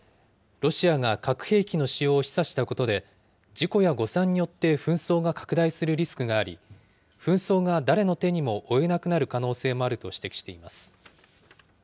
ロシアが核兵器の使用を示唆したことで、事故や誤算によって紛争が拡大するリスクがあり、紛争が誰の手にも負えなくなる可能性もあると指摘しています。